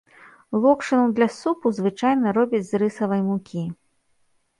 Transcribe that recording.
Локшыну для супу звычайна робяць з рысавай мукі.